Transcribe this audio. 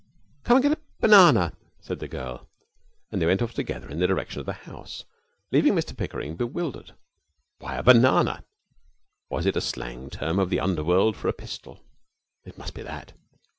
'Come and get a banana,' said the girl. And they went off together in the direction of the house, leaving Mr Pickering bewildered. Why a banana? Was it a slang term of the underworld for a pistol? It must be that.